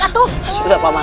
sudah pak man